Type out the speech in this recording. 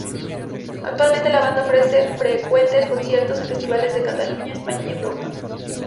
Actualmente la banda ofrece frecuentes conciertos en festivales de Cataluña, España y Europa.